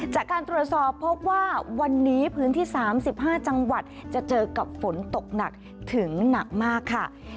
จากการตรวจสอบพบว่าวันนี้พื้นที่๓๕จังหวัดจะเจอกับฝนตกหนักถึงหนักมากค่ะ